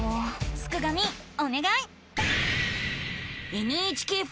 すくがミおねがい！